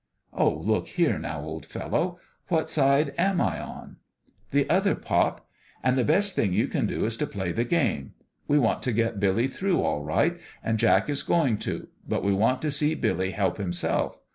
" Oh, look here, now, old fellow ! What side am I on ?"" The other, pop. And the best thing you can do is to play the game. We want to get Billy through, all right, and Jack is going to ; but we want to see Billy help himself.